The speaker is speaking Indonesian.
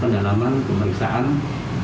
ternyata tersangka berusaha melarikan diri